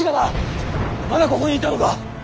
まだここにいたのか！